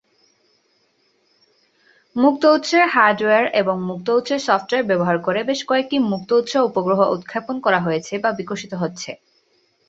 মুক্ত উৎসের হার্ডওয়্যার এবং মুক্ত উৎসের সফ্টওয়্যার ব্যবহার করে বেশ কয়েকটি মুক্ত উৎস উপগ্রহ উৎক্ষেপণ করা হয়েছে বা বিকশিত হচ্ছে।